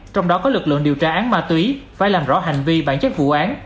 trong đó có lực lượng điều tra án ma túy phải làm rõ hành vi bản chất vụ án